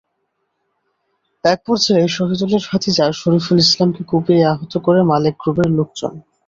একপর্যায়ে শহিদুলের ভাতিজা শরিফুল ইসলামকে কুপিয়ে আহত করে মালেক গ্রুপের লোকজন।